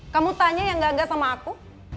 kamu tanya yang gagal sama aku